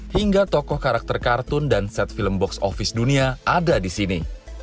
hingga tokoh karakter kartun dan set film box office dunia ada di sini